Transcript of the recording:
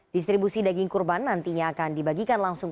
distribusi daging kurban nantinya akan dibagikan langsung